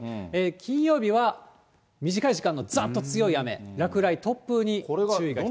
金曜日は短い時間のざっと強い雨、落雷、突風に注意が必要。